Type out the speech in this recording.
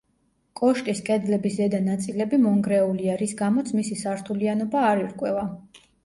კოშკის კედლების ზედა ნაწილები მონგრეულია, რის გამოც მისი სართულიანობა არ ირკვევა.